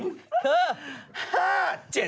คือ